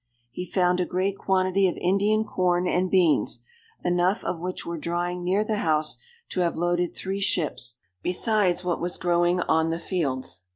He found a great quantity of Indian corn and beans, enough of which were drying near the house to have loaded three ships, besides what was growing on the fields.